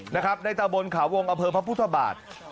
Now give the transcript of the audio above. ในตะบนขาววงอเภอพระพุทธบาท